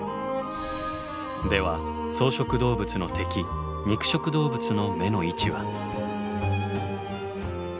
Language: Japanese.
では草食動物の敵肉食動物の目の位置は？